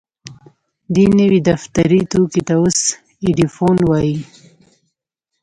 دې نوي دفتري توکي ته اوس ايډيفون وايي.